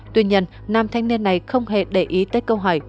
tuy nhiên nam thanh niên này không hề để ý tới câu hỏi của người